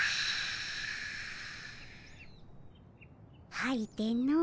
はいての。